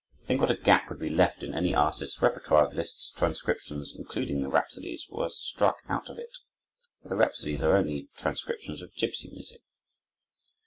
Think what a gap would be left in any artist's repertoire if Liszt's transcriptions, including the rhapsodies, were struck out of it; for the rhapsodies are only transcriptions of gipsy music.